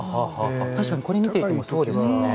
確かにこれ見ていてもそうですよね。